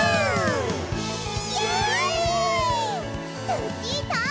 ルチータ！